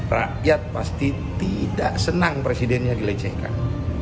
rakyat pasti tidak senang presidennya dilecehkan